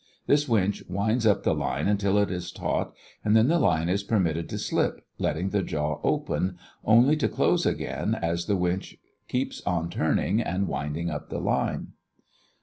This winch winds up the line until it is taut and then the line is permitted to slip, letting the jaw open, only to close again as the winch keeps on turning and winding up the line.